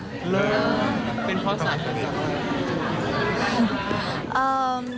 เริ่มเป็นเพราะสัญลักษณ์